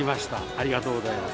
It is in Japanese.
ありがとうございます。